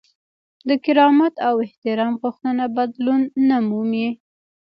د کرامت او احترام غوښتنه بدلون نه مومي.